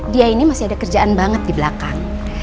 dia ini masih ada kerjaan banget di belakang